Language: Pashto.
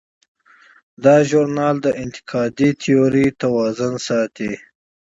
دا ژورنال د انتقادي تیورۍ توازن ساتي.